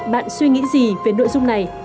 bạn suy nghĩ gì về nội dung này